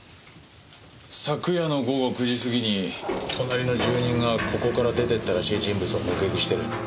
昨夜の午後９時過ぎに隣の住人がここから出ていったらしい人物を目撃している。